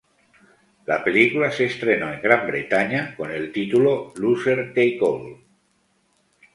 La película se estrenó en Gran Bretaña con el título "Loser take all".